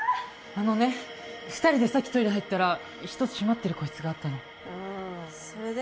あのね２人でさっきトイレ入ったら一つ閉まってる個室があったのそれで？